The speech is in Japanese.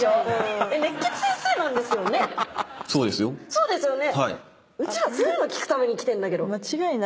そうですよね？